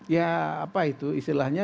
ya apa itu istilahnya